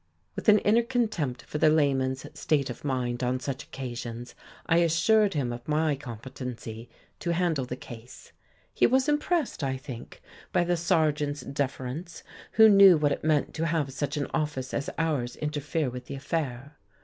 With an inner contempt for the layman's state of mind on such occasions I assured him of my competency to handle the case. He was impressed, I think, by the sergeant's deference, who knew what it meant to have such an office as ours interfere with the affair.